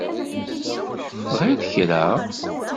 Tebɣiḍ kra?